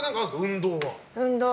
運動は。